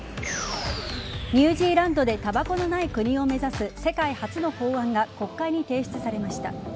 ニュージーランドでたばこのない国を目指す世界初の法案が国会に提出されました。